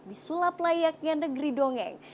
di sulap layaknya negeri dongeng